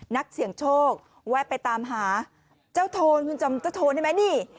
นักเสี่ยงโชคแวะไปตามหาเจ้าโทนคุณจำเจ้าโทนได้ไหมนี่